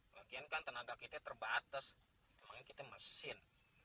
lagian kan tenaga kita terbatas namanya kita mesin